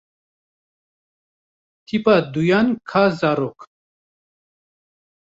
Tîpa duyan ka zarok.